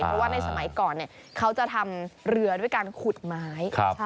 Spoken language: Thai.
เพราะว่าในสมัยก่อนเขาจะทำเรือด้วยการขุดไม้